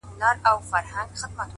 ما خو څو واره ازمويلى كنه،